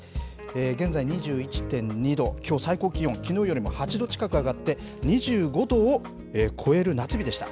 現在２１．２度、きょう最高気温、きのうよりも８度近く上がって、２５度を超える夏日でした。